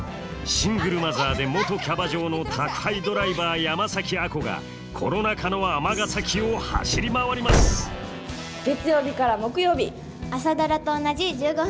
シングルマザーで元キャバ嬢の宅配ドライバー山崎亜子がコロナ禍の尼崎を走り回ります「朝ドラ」と同じ１５分間。